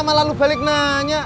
malah lo balik nanya